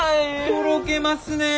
とろけますね！